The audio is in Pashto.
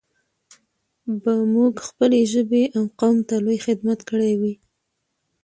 به موږ خپلې ژبې او قوم ته لوى خدمت کړى وي.